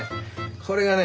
これがね